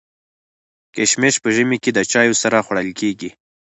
کشمش په ژمي کي د چايو سره خوړل کيږي.